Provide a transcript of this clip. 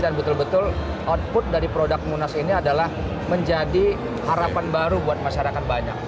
dan betul betul output dari produk munas ini adalah menjadi harapan baru buat masyarakat banyak